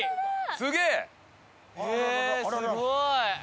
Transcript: すごい！